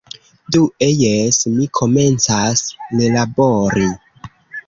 Due... jes, mi komencas relabori